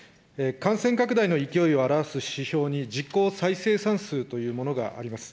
感染拡大の勢いを表す指標に、実効再生産数というものがあります。